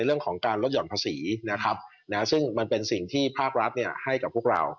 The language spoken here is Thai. เรื่องของการลดหย่อนภาษีนะครับซึ่งมันเป็นสิ่งที่ภาครัฐให้กับพวกเรา